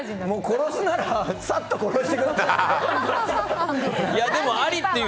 殺すならさっと殺してください。